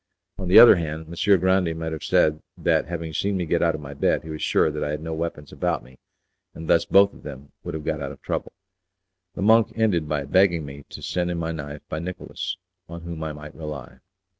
On the other hand, Messer Grande might have said that, having seen me get out of my bed, he was sure that I had no weapons about me, and thus both of them would have got out of trouble. The monk ended by begging me to send him my knife by Nicolas, on whom I might rely.